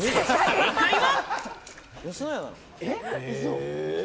正解は。